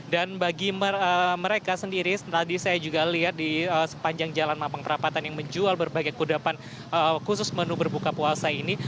dan bagi mereka sendiri tadi saya juga lihat di sepanjang jalan mapang perapatan yang menjual berbagai kudapan khusus menu berbuka puasa ini